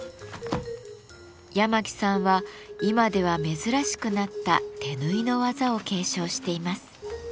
八巻さんは今では珍しくなった手縫いの技を継承しています。